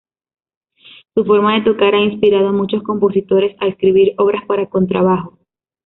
Su forma de tocar ha inspirado a muchos compositores a escribir obras para contrabajo.